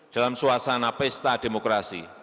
dalam suasana pesta demokrasi